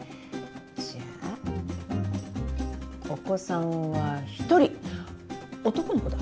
じゃあお子さんは１人男の子だ。